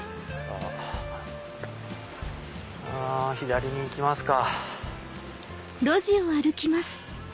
左に行きますか。